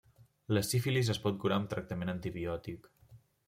La sífilis es pot curar amb tractament antibiòtic.